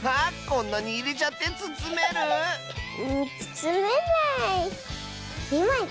こんなにいれちゃってつつめる⁉つつめない。